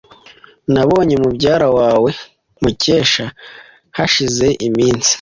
Nabonye mubyara wawe Mukesha hashize iminsi.